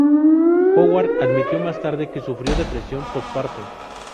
Howard admitió más tarde que sufrió depresión postparto.